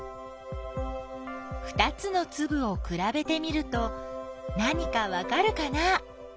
ふたつのつぶをくらべてみると何かわかるかな？